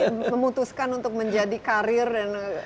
nah ini memutuskan untuk menjadi karir dan